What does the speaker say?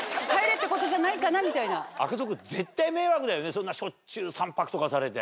そんなしょっちゅう３泊とかされて。